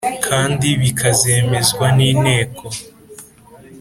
kandi bikazemezwa n Inteko